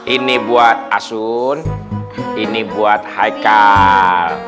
ini buat asun ini buat haikal